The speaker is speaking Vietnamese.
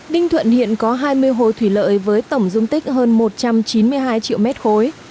ninh thuận hiện có hai mươi hồ thủy lợi với tổng dung tích hơn một trăm chín mươi hai triệu mét khối